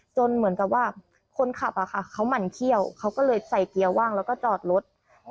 เหมือนกับว่าคนขับเขาหมั่นเขี้ยวเขาก็เลยใส่เกียร์ว่างแล้วก็จอดรถ